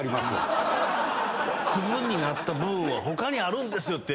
「クズになった部分は他にあるんですよ」